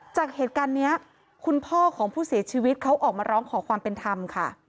จากเหตุการณ์นี้คุณพ่อของผู้เสียชีวิตเขาออกมาร้องขอความเป็นธรรมค่ะ